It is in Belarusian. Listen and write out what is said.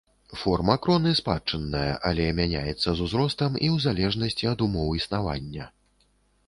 Форма кроны спадчынная, але мяняецца з узростам і ў залежнасці ад умоў існавання.